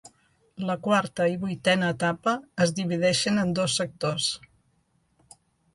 La quarta i vuitena etapa es divideixen en dos sectors.